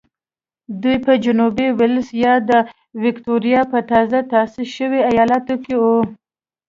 دوی په جنوبي وېلز یا د ویکټوریا په تازه تاسیس شوي ایالت کې وو.